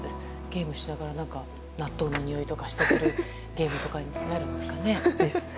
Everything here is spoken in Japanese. ゲームしながら納豆のにおいとかするゲームになるんですかね。